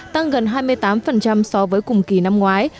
tăng gần hai mươi tám so với cùng kỳ năm ngoái